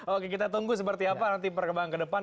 oke kita tunggu seperti apa nanti perkembangan ke depan